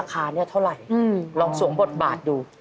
ก็ต้องปล่อยบอกครับ